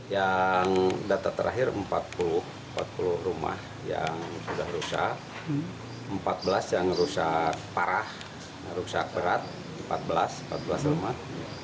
yang data terakhir empat puluh rumah yang sudah rusak empat belas yang rusak parah rusak berat empat belas empat belas rumah